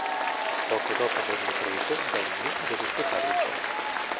Poco dopo averlo preso Danny vede suo padre Jack.